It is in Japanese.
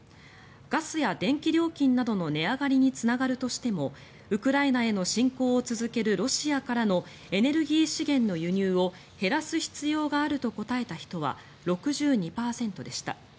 ガスや電気料金などの値上がりにつながるとしてもウクライナへの侵攻を続けるロシアからのエネルギー資源の輸入を減らす必要があると答えた人は６２％でした。